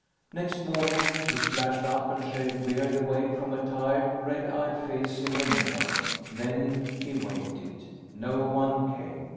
Next morning, he splashed up and shaved beard away from a tired, red eyed face in the mirror. Then, he waited. No one came.